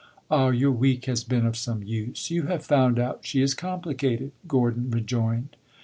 "Ah, your week has been of some use. You have found out she is complicated!" Gordon rejoined.